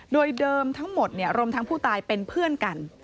โดยเดิมทั้งหมดรวมทั้งผู้ตายเป็นเพื่อนกัน